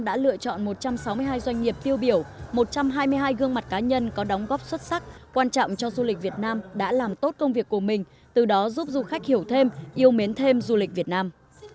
các cá nhân có đóng góp xuất sắc quan trọng cho du lịch việt nam đã làm tốt công việc của mình từ đó giúp du khách hiểu thêm yêu mến thêm du lịch việt nam